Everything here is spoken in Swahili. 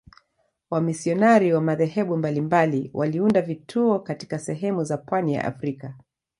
Wamisionari wa madhehebu mbalimbali waliunda vituo katika sehemu za pwani ya Afrika.